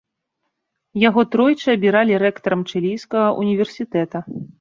Яго тройчы абіралі рэктарам чылійскага універсітэта.